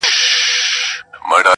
-عبدالباري جهاني-